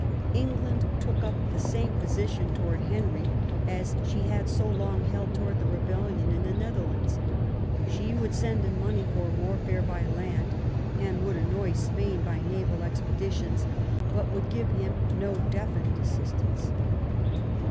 Elizabeth took up the same position towards Henry as she had so long held towards the rebellion in the Netherlands ; she would send him money for warfare by land, and would THE NEW ENGLAND. 249 annoy Spain by naval expeditions, but would give him no definite assistance.